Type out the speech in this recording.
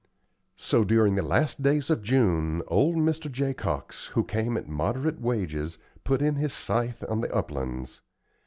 So, during the last days of June, old Mr. Jacox, who came at moderate wages, put in his scythe on the uplands.